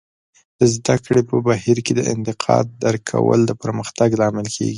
د زده کړې په بهیر کې د انتقاد درک کول د پرمختګ لامل کیږي.